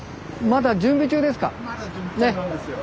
まだ準備中なんですよ。